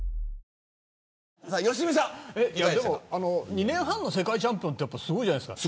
２年半で世界チャンピオンってすごいじゃないですか。